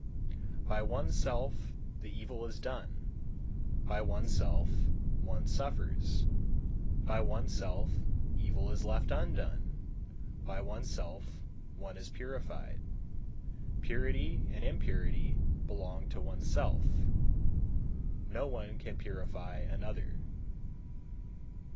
165. By oneself the evil is done, by oneself one suffers; by oneself evil is left undone, by oneself one is purified. Purity and impurity belong to oneself, no one can purify another.